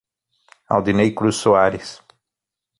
Aldiney Cruz Soares